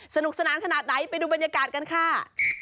สนุกสนานขนาดไหนไปดูบรรยากาศกันค่ะ